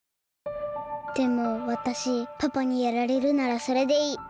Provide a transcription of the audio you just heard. でもわたしパパにやられるならそれでいい。